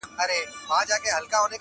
تا ښخ کړئ د سړو په خوا کي سپی دی,